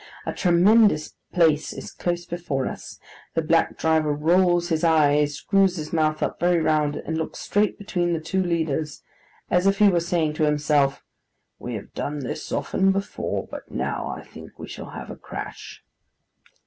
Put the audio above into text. A tremendous place is close before us, the black driver rolls his eyes, screws his mouth up very round, and looks straight between the two leaders, as if he were saying to himself, 'We have done this often before, but now I think we shall have a crash.